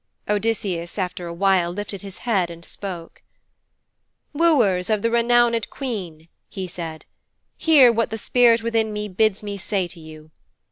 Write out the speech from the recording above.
Odysseus, after a while, lifted his head and spoke: 'Wooers of the renowned queen,' he said, 'hear what the spirit within me bids me say to you.